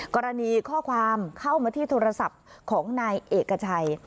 กรณีข้อความเข้ามาที่โทรศัพท์ของนายเอกชัย